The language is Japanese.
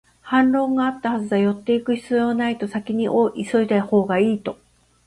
反論はあったはずだ、寄っていく必要はないと、先を急いだほうがいいと